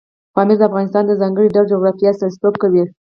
پامیر د افغانستان د ځانګړي ډول جغرافیه استازیتوب کوي.